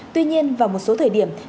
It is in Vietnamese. tuy nhiên vào một số thời điểm